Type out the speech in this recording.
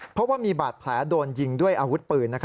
เพราะว่ามีบาดแผลโดนยิงด้วยอาวุธปืน